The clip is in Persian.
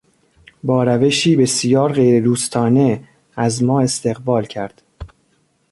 با روشی بسیار غیردوستانه از ما استقبال کرد.